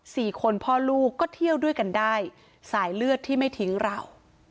สี่คนพ่อลูกก็เที่ยวด้วยกันได้สายเลือดที่ไม่ทิ้งเรา